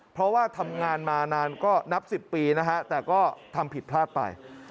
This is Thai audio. เพราะว่าทำงานมานานก็นับ๑๐ปีนะฮะแต่ก็ทำผิดพลาดไป